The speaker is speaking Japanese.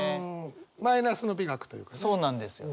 マイナスの美学というかね。